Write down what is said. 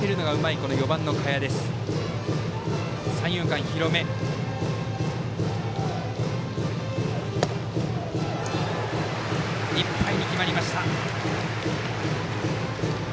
いっぱいに決まりました。